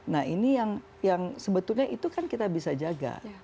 nah ini yang sebetulnya itu kan kita bisa jaga